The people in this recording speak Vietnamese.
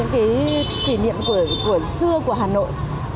kỷ niệm của xưa của hà nội